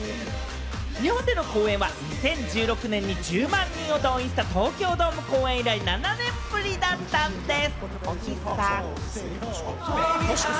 日本での公演は２０１６年に１０万人を動員した東京ドーム公演以来、７年ぶりだったんです。